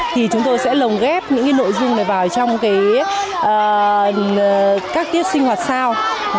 thì chúng tôi sẽ lồng ghép những cái nội dung này vào trong các tiết sinh hoạt sao